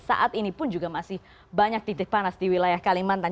saat ini pun juga masih banyak titik panas di wilayah kalimantan